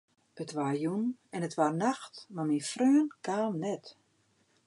It waard jûn en it waard nacht, mar myn freon kaam net.